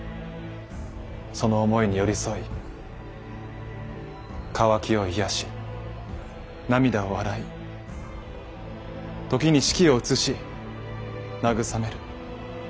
その思いに寄り添い渇きを癒やし涙を洗い時に四季を映し慰める。